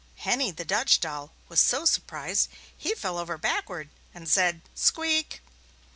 Henny, the Dutch doll, was so surprised he fell over backward and said, "Squeek!"